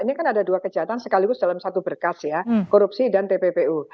ini kan ada dua kejahatan sekaligus dalam satu berkas ya korupsi dan tppu